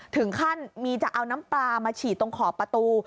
ถึงขั้นมีจะเอาน้ำปลามาฉีดตรงขอบประตู